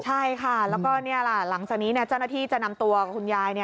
ใช่ค่ะแล้วก็นี่แหละหลังจากนี้เจ้าหน้าที่จะนำตัวคุณยาย